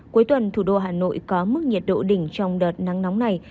cuối tuần thủ đô hà nội có mức nhiệt độ đỉnh trong đợt nắng nóng này